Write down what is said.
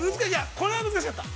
◆これは難しかった。